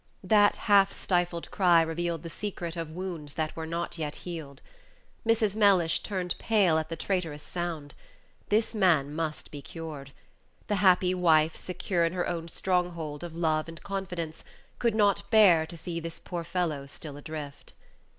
That half stifled cry revealed the secret of wounds that were not yet healed. Mrs. Mellish turned pale at the traitorous sound. This man must be cured. The happy wife, secure in her own strong hold of love and confidence, could not bear to see this poor fellow still adrift.